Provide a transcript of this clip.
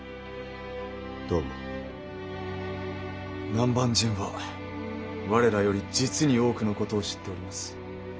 南蛮人は我らより実に多くのことを知っております。